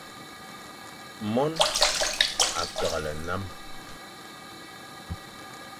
Mone a keghle nnam.